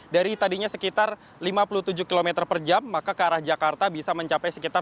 dari tadinya sekitar lima puluh tujuh km per jam maka ke arah jakarta bisa mencapai sekitar